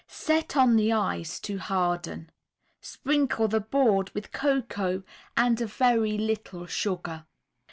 Set on the ice to harden. Sprinkle the board with cocoa and a very little sugar.